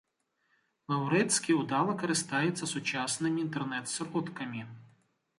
Лаўрэцкі ўдала карыстаецца сучаснымі інтэрнэт-сродкамі.